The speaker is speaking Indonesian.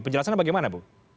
penjelasannya bagaimana bu